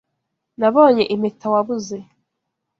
Nabonye impeta wabuze.